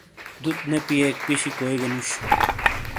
دُت نے پییک پِیشی کوئی گہ نوش ۔